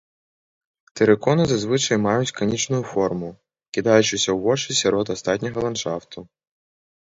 Тэрыконы зазвычай маюць канічную форму, кідаючыся ў вочы сярод астатняга ландшафту.